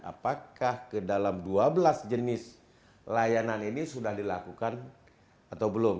apakah ke dalam dua belas jenis layanan ini sudah dilakukan atau belum